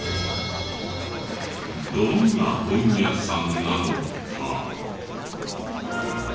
どんな本屋さんなのか。